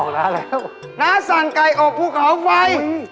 น้าสั่นไก่โอปุนเขาไฟ